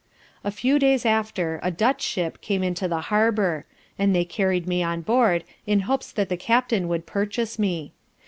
A few days after a Dutch ship came into the harbour, and they carried me on board, in hopes that the Captain would purchase me.